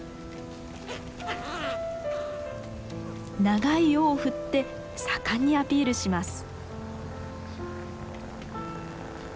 長い尾を振って盛んにアピールします。